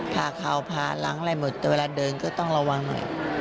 ผ่าเข่าผ่าหลังอะไรหมดแต่เวลาเดินก็ต้องระวังหน่อย